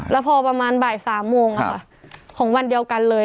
แล้วพอประมาณบ่าย๓โมงของวันเดียวกันเลย